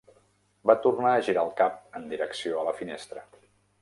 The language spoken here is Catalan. Va tornar a girar el cap en direcció a la finestra.